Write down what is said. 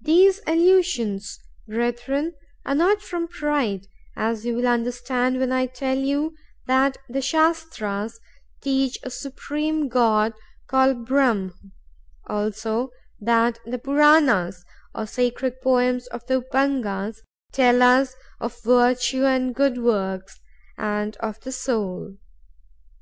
"These allusions, brethren, are not from pride, as you will understand when I tell you that the Shastras teach a Supreme God called Brahm; also, that the Puranas, or sacred poems of the Up Angas, tell us of Virtue and Good Works, and of the Soul.